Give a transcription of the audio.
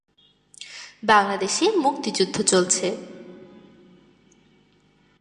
বাংলাদেশে মুক্তিযুদ্ধ চলছে।